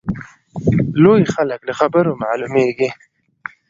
لوی خلک له خبرو معلومیږي.